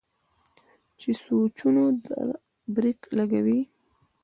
چې سوچونو ته برېک لګوي